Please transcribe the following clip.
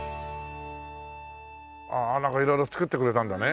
ああ色々作ってくれたんだね。